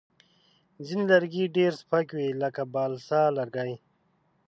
ځینې لرګي ډېر سپک وي، لکه بالسا لرګی.